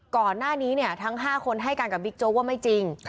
ก่อนหน้านี้ทั้ง๕คนให้การกับบิ๊กโจ๊กว่าไม่จริง